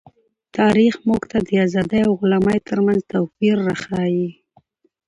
تاریخ موږ ته د آزادۍ او غلامۍ ترمنځ توپیر راښيي.